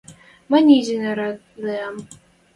Мӹнь изиш нерат линӓм.